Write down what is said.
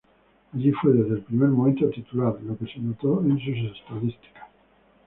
Allí fue desde el primer momento titular, lo que se notó en sus estadísticas.